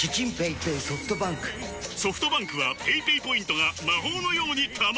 ソフトバンクはペイペイポイントが魔法のように貯まる！